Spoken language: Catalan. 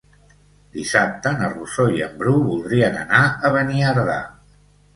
Dissabte na Rosó i en Bru voldrien anar a Beniardà.